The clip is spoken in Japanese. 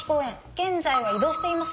現在は移動しています。